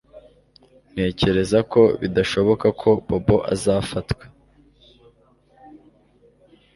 Ntekereza ko bidashoboka ko Bobo azafatwa